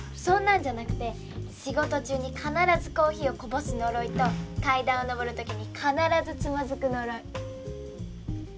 そんなんじゃなくて仕事中に必ずコーヒーをこぼす呪いと階段を上る時に必ずつまずく呪い。